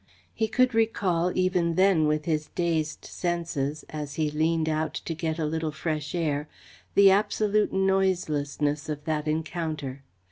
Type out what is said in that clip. He could recall, even then with his dazed senses, as he leaned out to get a little fresh air, the absolute noiselessness of that encounter.